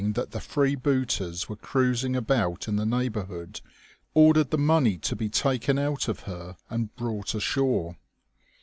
that the freebooters \9ere cruising about in the neighbour hood, ordered the^money to be taken out of her and brought ashore.